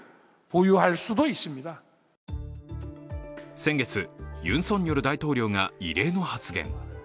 先月、ユン・ソンニョル大統領が異例の発言。